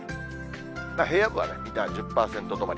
平野部はみんな１０％止まり。